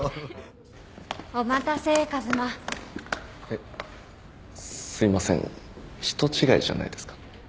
えすいません人違いじゃないですか？